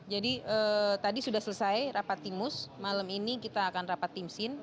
jadi tadi sudah selesai rapat timus malam ini kita akan rapat timsin